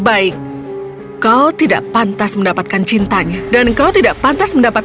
aku hanya ingin tempat berteduh dan juga makan malam yang hangat